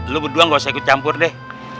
lu berdua gak usah ikut campur deh